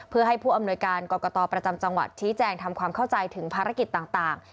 เพื่อให้ผู้อำนวยการกรกตประจำจังหวัดชี้แจงทำความเข้าใจถึงภารกิจต่าง